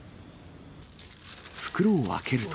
袋を開けると。